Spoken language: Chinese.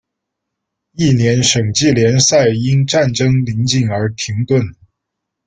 翌年省际联赛因战争临近而停顿。